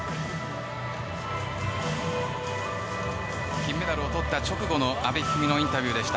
金メダルをとった直後の阿部一二三のインタビューでした。